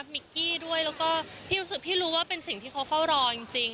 มิกกี้ด้วยแล้วก็พี่รู้ว่าเป็นสิ่งที่เขาเข้ารอจริง